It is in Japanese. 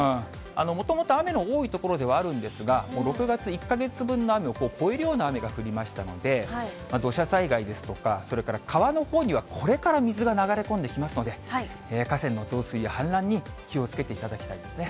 もともと雨の多い所ではあるんですが、６月１か月分の雨を超えるような雨が降りましたので、土砂災害ですとか、それから川のほうには、これから水が流れ込んできますので、河川の増水や氾濫に気をつけていただきたいですね。